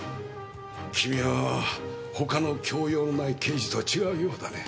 君は他の教養のない刑事とは違うようだね。